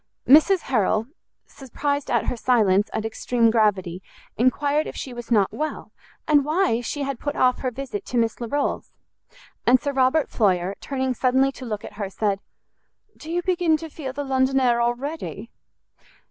Mrs Harrel, surprised at her silence and extreme gravity, enquired if she was not well, and why she had put off her visit to Miss Larolles? And Sir Robert Floyer, turning suddenly to look at her, said, "Do you begin to feel the London air already?"